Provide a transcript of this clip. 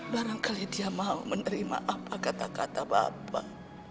barangkali dia mau menerima apa kata kata bapak